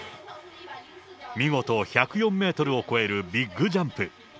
見事、１０４メートルを超えるビッグジャンプ。